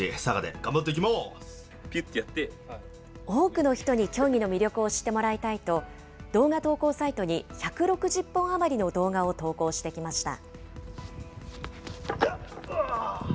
多くの人に競技の魅力を知ってもらいたいと、動画投稿サイトに１６０本余りの動画を投稿してきました。